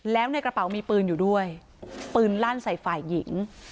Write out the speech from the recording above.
แล้วในกระเป๋ามีปืนอยู่ด้วยปืนลั่นใส่ฝ่ายหญิง